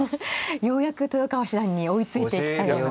ようやく豊川七段に追いついてきたような。